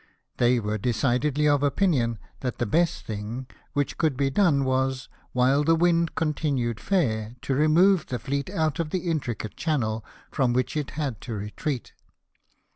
They were BATTLE OF COPEI^HAGEN. 239 decidedly of opinion that the best thing which could be done was, while the wind continued fair, to remove the fleet out of the intricate channel, from which it had to retreat.